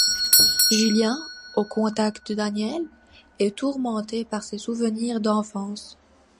Julien, au contact de Daniel, est tourmenté par ses souvenirs d'enfance.